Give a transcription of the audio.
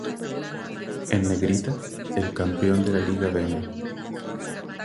En negrita, el campeón de la Liga BeNe.